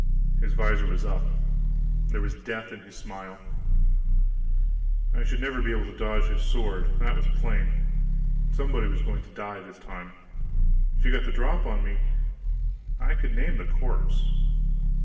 His visor was up; there was death in his smile. I should never be able to dodge his sword, that was plain. Somebody was going to die this time. If he got the drop on me, I could name the corpse.